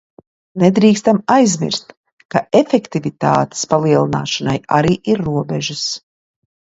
Nedrīkstam aizmirst, ka efektivitātes palielināšanai arī ir robežas.